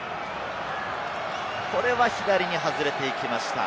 これは左に外れていきました。